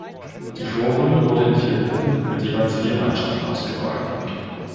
Die Vorrunde wurde in vier Gruppen mit jeweils vier Mannschaften ausgetragen.